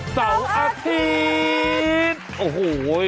เสาอาทิตย์